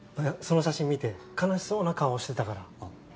その写真見て悲しそうな顔してたから。